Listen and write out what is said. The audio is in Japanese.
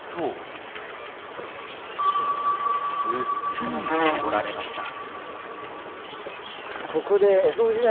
６つに絞られました。